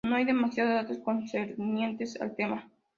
No hay demasiados datos concernientes al tema.